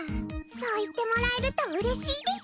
そう言ってもらえるとうれしいです。